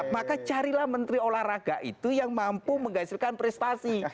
maka carilah menteri olahraga itu yang mampu menghasilkan prestasi